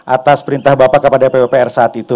atas perintah bapak kepada pupr saat itu